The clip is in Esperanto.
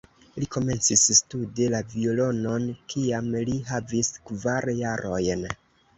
Li komencis studi la violonon kiam li havis kvar jarojn.